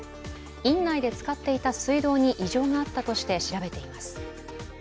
院内で使っていた水道に異常があったとして調べています。